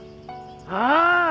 ああ。